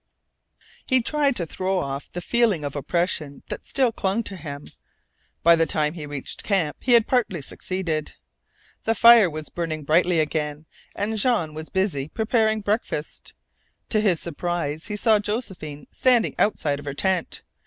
He tried to throw off the feeling of oppression that still clung to him. By the time he reached camp he had partly succeeded. The fire was burning brightly again, and Jean was busy preparing breakfast. To his surprise he saw Josephine standing outside of her tent.